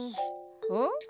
うん？